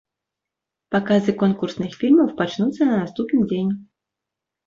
Паказы конкурсных фільмаў пачнуцца на наступны дзень.